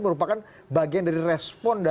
merupakan bagian dari respon